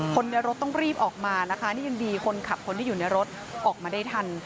คนในรถต้องรีบออกมานะคะนี่ยังดีคนขับคนที่อยู่ในรถออกมาได้ทัน